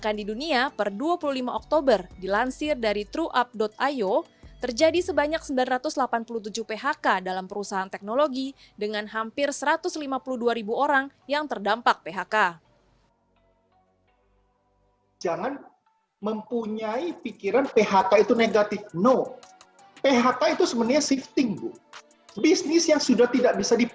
jangan lupa subscribe channel ini untuk dapat info terbaru dari kami